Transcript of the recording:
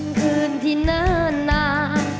วันคืนที่เนอะหนา